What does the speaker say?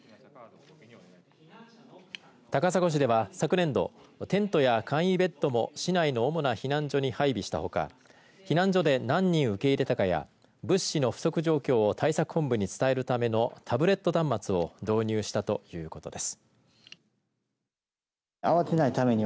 高砂市では昨年度テントや簡易ベッドも市内の主な避難所に配備したほか避難所で何人を受け入れたかや物資の不足状況を対策本部に伝えるためのタブレット端末を導入したということです。